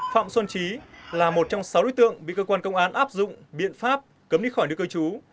phạm xuân trí là một trong sáu đối tượng bị cơ quan công an áp dụng biện pháp cấm đi khỏi nước cơ chú